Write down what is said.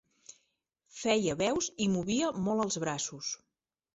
Feia veus i movia molt els braços.